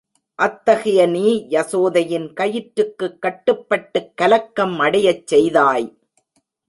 அத்தகைய நீ யசோதையின் கயிற்றுக்குக் கட்டுப்பட்டுக் கலக்கம் அடையச் செய்தாய்.